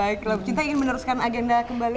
baiklah ibu cinta ingin meneruskan agenda kembali